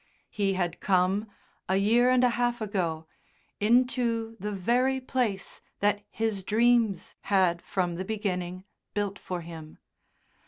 He had come, a year and a half ago, into the very place that his dreams had, from the beginning, built for him.